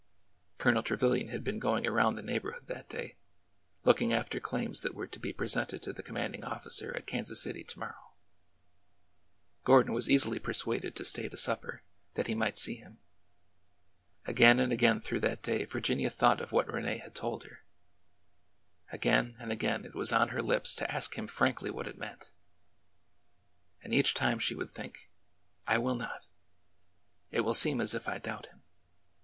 Colonel Trevilian had been going around the neigh borhood that day, looking after claims that were to be presented to the commanding officer at Kansas City to morrow. Gordon was easily persuaded to stay to supper, that he might see him. Again and again through that day Virginia thought of what Rene had told her; again and again it was on her lips to ask him frankly what it meant. And each time she would think : I will not ! It will seem as if I doubt him.